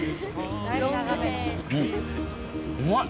うまい。